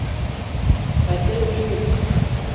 A te touii.